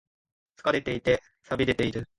疲れていて、寂れている。